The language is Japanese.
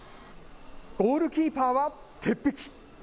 ゴールキーパーは鉄壁。